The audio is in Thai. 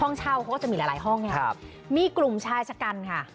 ห้องเช่าเขาก็จะมีหลายห้องนะครับมีกลุ่มชายจัดการณ์ค่ะ